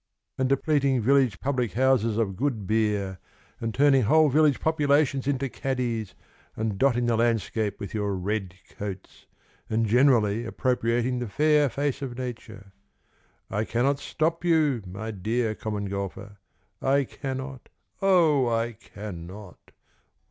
And depleting village public houses of good beer, And turning whole village populations into caddies, And dotting the landscape with your red coats, And generally appropriating the fair face of Nature. I cannot stop you, my dear Common Golfer, I cannot, O I cannot!